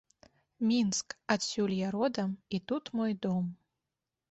Мінск, адсюль я родам і тут мой дом!